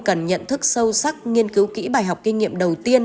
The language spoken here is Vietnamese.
cần nhận thức sâu sắc nghiên cứu kỹ bài học kinh nghiệm đầu tiên